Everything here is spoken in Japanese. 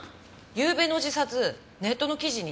ゆうべの自殺ネットの記事に出てました。